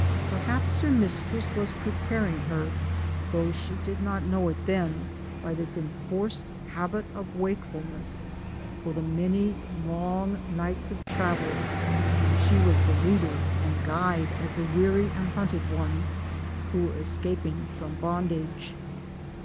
Perhaps her mistress was preparing her, though she did not know it then, by this enforced habit of wakefulness, for the many long nights of travel, when she was the leader and guide of the weary and hunted ones who were escaping from bondage.